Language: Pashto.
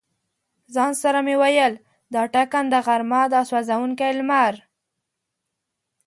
ځان سره مې ویل: دا ټکنده غرمه، دا سوزونکی لمر.